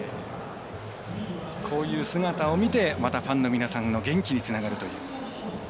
こういう姿を見てまたファンの皆さんの元気につながるという。